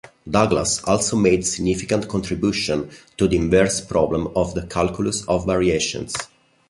Douglas also made significant contributions to the inverse problem of the calculus of variations.